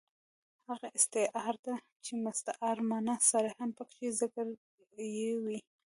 هغه استعاره ده، چي مستعار منه صریحاً پکښي ذکر ىوى يي.